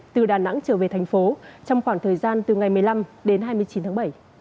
từ đà nẵng trở về thành phố trong khoảng thời gian từ ngày một mươi năm đến hai mươi chín tháng bảy